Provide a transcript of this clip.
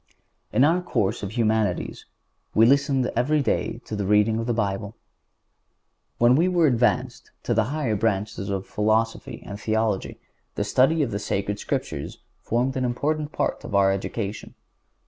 In our course of Humanities we listened every day to the reading of the Bible. When we were advanced to the higher branches of Philosophy and Theology the study of the Sacred Scriptures formed an important part of our education.